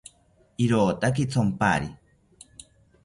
Irotaki thonpari